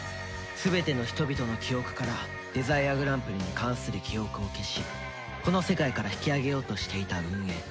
全ての人々の記憶からデザイアグランプリに関する記憶を消しこの世界から引き揚げようとしていた運営